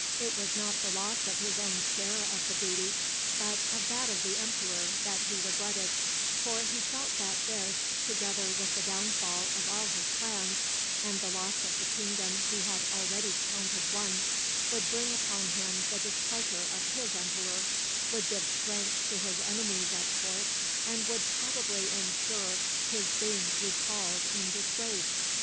It was not the loss of his own share of the booty, but of that of the emperor, that he regretted; for he felt that this, together with the downfall of all his plans, and the loss of the kingdom he had already counted won, would bring upon him the displeasure of his emperor, would give strength to his enemies at court, and would probably ensure his being recalled in disgrace.